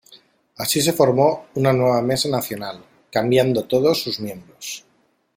Así se formó una nueva Mesa Nacional, cambiando todos sus miembros.